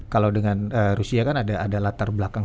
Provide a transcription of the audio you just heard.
kalau dengan rusia kan ada latar belakang